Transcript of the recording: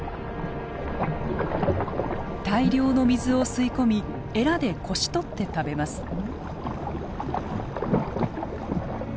大量の水を吸い込みエラでこしとって食べます。